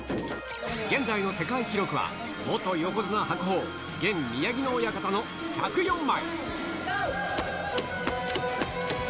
現在の世界記録は、元横綱・白鵬、現宮城野親方の１０４枚。